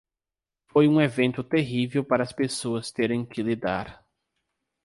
Foi um evento terrível para as pessoas terem que lidar.